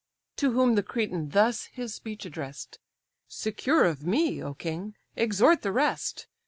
To whom the Cretan thus his speech address'd: "Secure of me, O king! exhort the rest.